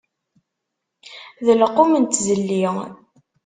D lqum n tzelli.